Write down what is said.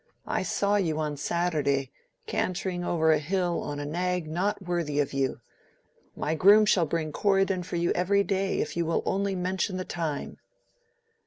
I saw you on Saturday cantering over the hill on a nag not worthy of you. My groom shall bring Corydon for you every day, if you will only mention the time."